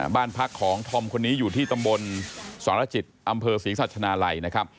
บ้านพักของธอมคนนี้อยู่ที่ตำบลสรจิตอำเภอศรีสัชนาลัยนะครับ